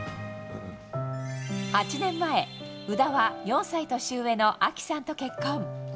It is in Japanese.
８年前、宇田は４歳年上の亜紀さんと結婚。